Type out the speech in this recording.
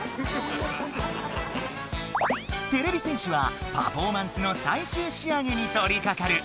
てれび戦士はパフォーマンスのさいしゅうしあげにとりかかる。